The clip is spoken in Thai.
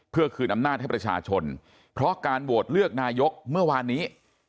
เพื่อคืนอำนาจให้ประชาชนเพราะการโหวตเลือกนายกเมื่อวานนี้